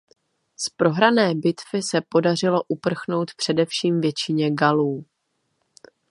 Z prohrané bitvy se podařilo uprchnout především většině Galů.